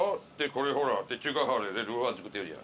これほら「中華好好」でルーロー飯作ってるじゃん。